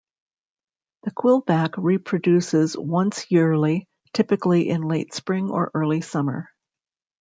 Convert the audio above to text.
The Quillback reproduces once yearly, typically in late spring or early summer.